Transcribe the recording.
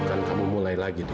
bukan kamu mulai lagi tuh